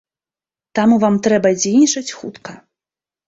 Таму вам трэба дзейнічаць хутка.